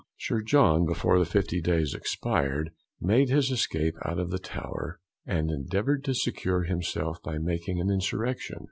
Sir John before the fifty days expired, made his escape out of the Tower, and endeavoured to secure himself by making an insurrection.